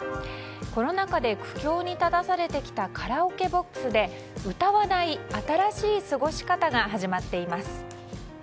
コロナ禍で苦境に立たされてきたカラオケボックスで歌わない新しい過ごし方が始まっています。